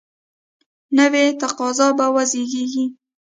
نوي تقاضا به وزیږي.